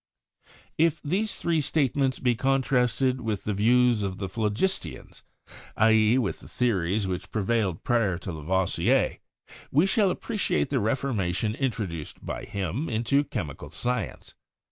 If these three statements be contrasted with the views of the phlogistians — i.e., with the theories which prevailed prior to Lavoisier — we shall appreciate the reformation introduced by him into chemical science.